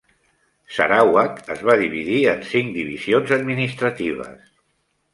Sarawak es va dividir en cinc divisions administratives.